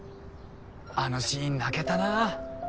あのシーン泣けたなぁ。